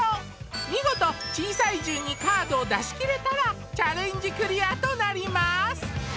見事小さい順にカードを出しきれたらチャレンジクリアとなります